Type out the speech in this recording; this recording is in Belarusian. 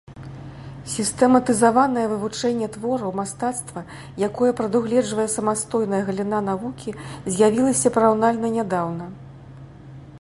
Сістэматызаванае вывучэнне твораў мастацтва, якое прадугледжвае самастойная галіна навукі, з'явілася параўнальна нядаўна.